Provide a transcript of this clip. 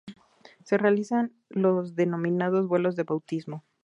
Se realizan los denominados vuelos de bautismo.